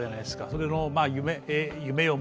それの夢よ